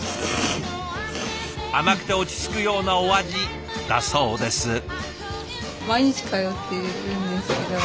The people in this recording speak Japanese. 甘くて落ち着くようなお味だそうです。